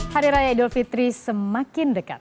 hari raya idul fitri semakin dekat